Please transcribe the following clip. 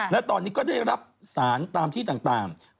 และตอนนี้ก็ได้รับสารตามที่ต่าง